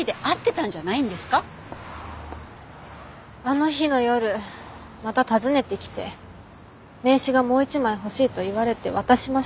あの日の夜また訪ねてきて名刺がもう一枚欲しいと言われて渡しました。